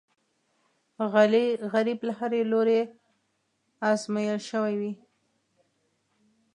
غریب له هرې لورې ازمېیل شوی وي